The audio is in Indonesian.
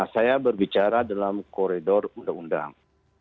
saya berbicara dalam koridor undang undang